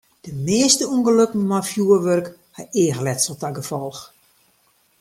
De measte ûngelokken mei fjurwurk ha eachletsel ta gefolch.